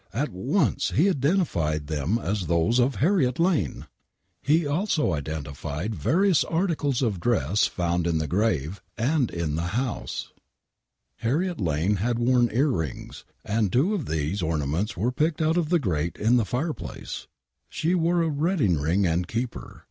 He at once identified them as those of Harriet Lane !!! He also identified various articles of dress found in the grave and in the house. Harriet Lane had worn earrings, and two of these ornaments were picked out of the grate in the fire place. She wore a wedding ring and keeper